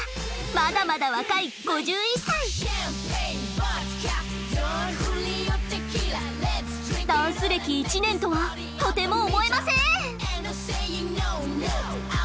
まだまだ若い５１歳ダンス歴１年とはとても思えません！